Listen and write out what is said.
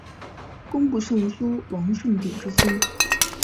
工部尚书王舜鼎之孙。